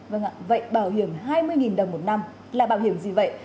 vâng ạ vậy bảo hiểm hai mươi đồng một năm là bảo hiểm gì vậy